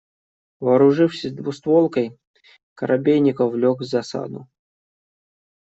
Вооружившись двустволкой, Коробейников лёг в засаду.